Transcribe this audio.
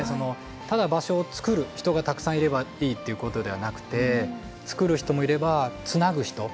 ただ場所をつくる人がたくさんいればいいっていうことではなくてつくる人もいればつなぐ人